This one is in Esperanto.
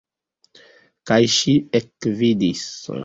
Kaj ŝi ekvidis.